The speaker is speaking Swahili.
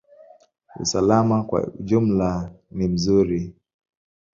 Usalama kwa ujumla ni nzuri.